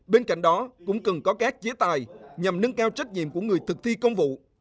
bên cạnh đó cũng cần có các chế tài nhằm nâng cao trách nhiệm của người thực thi công vụ